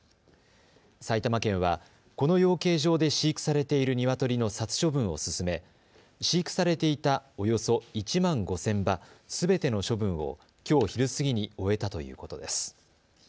埼玉県は、この養鶏場で飼育されているニワトリの殺処分を進め飼育されていたおよそ１万５０００羽すべての処分をきょう昼過ぎに終えたということです。